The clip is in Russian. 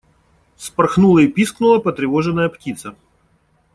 Вспорхнула и пискнула потревоженная птица.